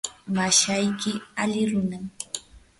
mashayki ali runam.